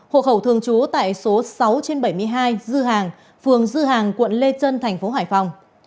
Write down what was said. hộ khẩu thường trú tại số sáu trên bảy mươi hai dư hàng phường dư hàng quận lê trân thành phố hải phòng